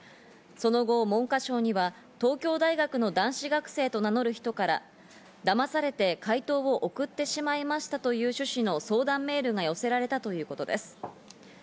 その後、文科省には東京大学の男子学生と名乗る人から、だまされて解答を送ってしまいましたという趣旨の相談のメールが寄せられたということです。